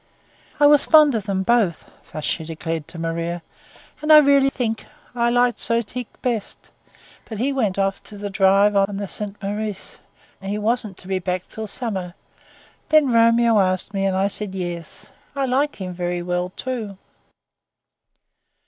"I was fond of them both," thus she declared to Maria. "And I really think I liked Zotique best; but he went off to the drive on the St. Maurice, and he wasn't to be back till summer; then Romeo asked me and I said, 'Yes.' I like him very well, too."